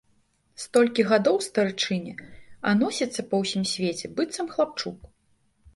Столькі гадоў старычыне, а носіцца па ўсім свеце, быццам хлапчук!